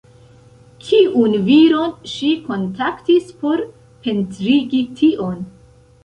Kiun viron ŝi kontaktis por pentrigi tion?